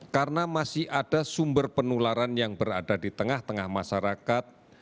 karena masih ada sumber penularan yang berada di tengah tengah masyarakat